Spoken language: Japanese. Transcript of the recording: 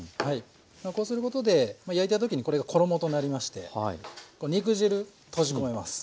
こうすることでまあ焼いた時にこれが衣となりまして肉汁閉じ込めます。